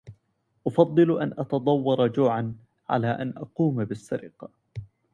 أفضّل أن أتضوّر جوعاّ على أن أقوم بالسرقة.